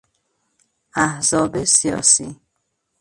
احزاب سیاسی